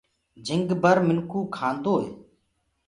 جھنگ بر منکو کاندوئي